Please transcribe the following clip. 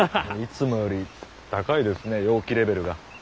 いつもより高いですね陽気レベルが。